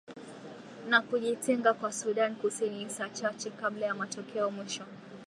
na kujitenga kwa sudan kusini saa chache kabla ya matokeo mwisho